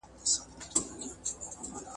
وخت لرې؟